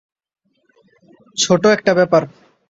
ছোটো একটা ব্যাপার।